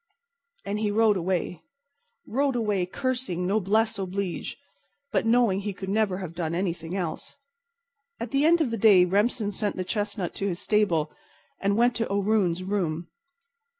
And he rode away—rode away cursing noblesse oblige, but knowing he could never have done anything else. At the end of the day Remsen sent the chestnut to his stable and went to O'Roon's room.